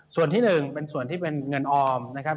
ส่วนที่๑เป็นส่วนที่เป็นเงินออมนะครับ